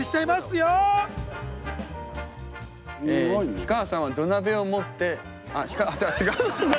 氷川さんは土鍋を持ってあっ違う。